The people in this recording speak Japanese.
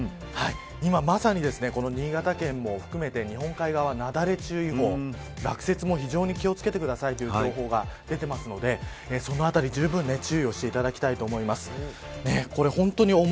まさに新潟県も含めて日本海側、雪崩注意報落雪も非常に気を付けてくださいという情報が出ているのでそのあたり、じゅうぶん注意していただきたいと思います。